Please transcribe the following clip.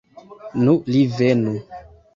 Nu, li venu.